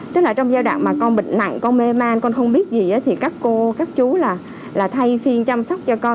tức là trong giai đoạn mà con bệnh nặng con mê mang con không biết gì thì các cô các chú là thay phiên chăm sóc cho con